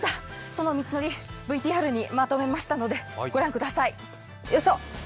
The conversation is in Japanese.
その道のりＶＴＲにまとめましたのでご覧ください。